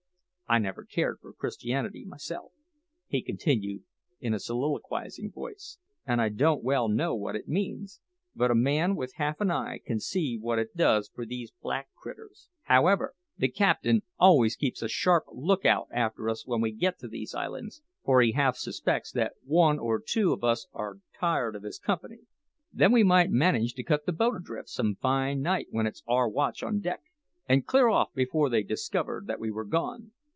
I never cared for Christianity myself," he continued in a soliloquising voice, "and I don't well know what it means; but a man with half an eye can see what it does for these black critters. However, the captain always keeps a sharp lookout after us when we get to these islands, for he half suspects that one or two o' us are tired of his company. Then we might manage to cut the boat adrift some fine night when it's our watch on deck, and clear off before they discovered that we were gone.